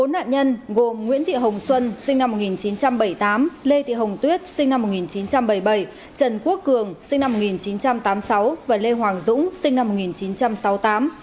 bốn nạn nhân gồm nguyễn thị hồng xuân sinh năm một nghìn chín trăm bảy mươi tám lê thị hồng tuyết sinh năm một nghìn chín trăm bảy mươi bảy trần quốc cường sinh năm một nghìn chín trăm tám mươi sáu và lê hoàng dũng sinh năm một nghìn chín trăm sáu mươi tám